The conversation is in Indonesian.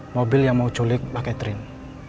mobil yang mau culik pak catherine